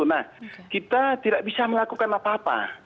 nah kita tidak bisa melakukan apa apa